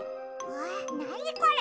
わあなにこれ？